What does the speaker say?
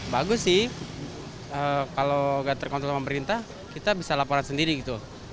bagus sih kalau nggak terkontrol sama pemerintah kita bisa laporan sendiri gitu